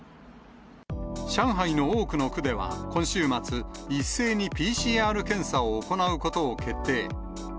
上海の多くの区では、今週末、一斉にＰＣＲ検査を行うことを決定。